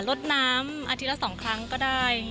ลดน้ำอาทิตย์ละ๒ครั้งก็ได้